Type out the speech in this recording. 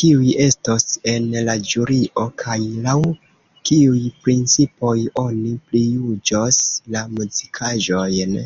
Kiuj estos en la ĵurio, kaj laŭ kiuj principoj oni prijuĝos la muzikaĵojn?